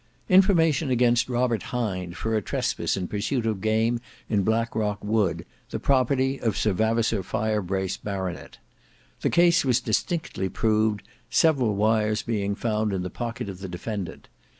"Information against Robert Hind for a trespass in pursuit of game in Blackrock Wood, the property of Sir Vavasour Firebrace, Bart. The case was distinctly proved; several wires being found in the pocket of the defendant.